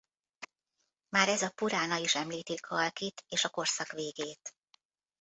Már ez a purána is említi Kalkit és a korszak végét.